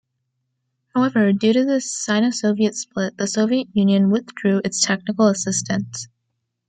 However, due to the Sino-Soviet split, the Soviet Union withdrew its technical assistance.